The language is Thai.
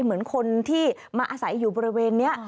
เหมือนคนที่มาอาศัยอยู่บริเวณนี้